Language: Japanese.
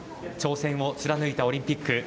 挑戦を貫いたオリンピック